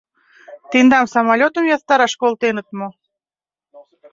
Тендам самолётым ястараш колтеныт мо?